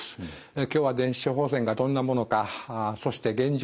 今日は電子処方箋がどんなものかそして現状